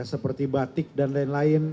seperti batik dan lain lain